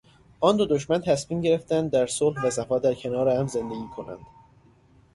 آن دو دشمن تصمیم گرفتند در صلح و صفا در کنار هم زندگی کنند.